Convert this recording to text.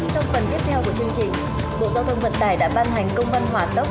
trong phần tiếp theo của chương trình bộ giao thông vận tải đã ban hành công văn hỏa tốc